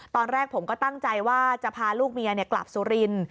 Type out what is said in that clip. ตอนแรกผมก็ตั้งใจว่าจะพาลูกเมียกลับสุรินทร์